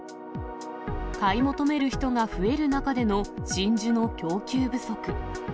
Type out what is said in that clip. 買い求める人が増える中での真珠の供給不足。